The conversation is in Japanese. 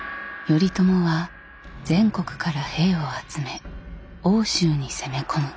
頼朝は全国から兵を集め奥州に攻め込む。